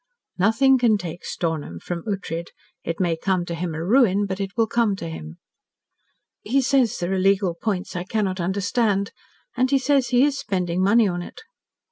"Nothing can take Stornham from Ughtred. It may come to him a ruin, but it will come to him." "He says there are legal points I cannot understand. And he says he is spending money on it."